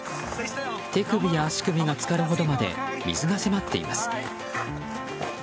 手首や足首がつかるほどまで水が迫っています。